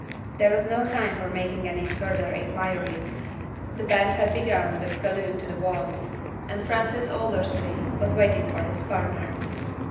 There was no time for making any further inquiries. The band had begun the prelude to the waltz, and Francis Aldersley was waiting for his partner.